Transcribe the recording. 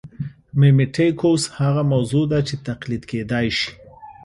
میمیټیکوس هغه موضوع ده چې تقلید کېدای شي